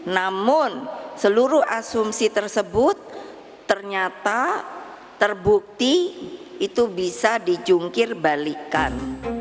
namun seluruh asumsi tersebut ternyata terbukti itu bisa dijungkir balikan